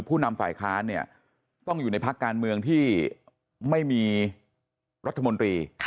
ผู้นำฝ่ายค้านเนี่ยต้องอยู่ในพักการเมืองที่ไม่มีรัฐมนตรี